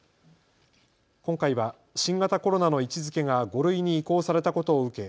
今回は新型コロナの位置づけが５類に移行されたことを受け